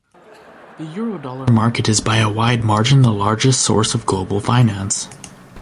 The Eurodollar market is by a wide margin the largest source of global finance.